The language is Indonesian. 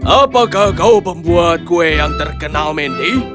apakah kau pembuat kue yang terkenal mendy